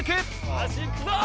よしいくぞ！